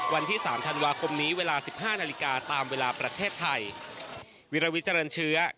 วันที่๓ธันวาคมนี้เวลา๑๕นาฬิกาตามเวลาประเทศไทย